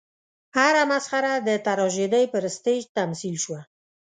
هره مسخره د تراژیدۍ پر سټېج تمثیل شوه.